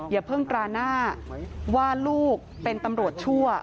อย่าเพิ่งตราหน้าว่าลูกเป็นตำรวจชั่ว